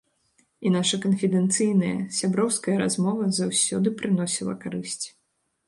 І наша канфідэнцыйная, сяброўская размова заўсёды прыносіла карысць.